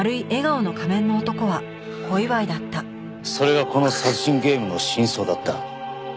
それがこの殺人ゲームの真相だった。